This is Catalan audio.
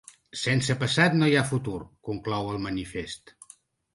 Sense passat no hi ha futur, conclou el manifest.